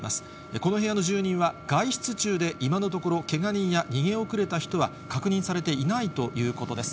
この部屋の住人は外出中で、今のところけが人や逃げ遅れた人は確認されていないということです。